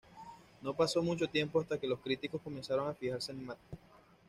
No pasó mucho tiempo hasta que los críticos comenzaron a fijarse en Matt.